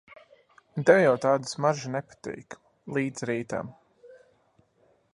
Un tev jau tāda smarža nepatīk. Līdz rītam...